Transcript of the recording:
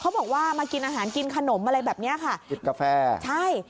บอกว่ามากินอาหารกินขนมอะไรแบบเนี้ยค่ะกินกาแฟใช่